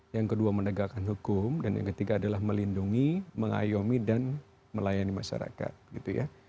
yang kedua menegakkan hukum dan yang ketiga adalah melindungi mengayomi dan melayani masyarakat gitu ya